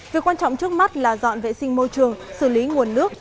việc quan trọng trước mắt là dọn vệ sinh môi trường xử lý nguồn nước